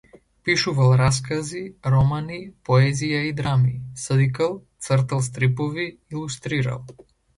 Пишувал раскази, романи, поезија и драми, сликал, цртал стрипови, илустрирал.